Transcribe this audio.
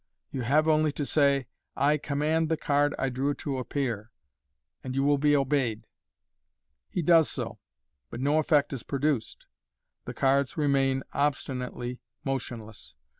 You have only to say, ' I command the card I drew to appear,' and you will be obeyed." He does so, but no effect is produced j the cards remain obstinately motionless.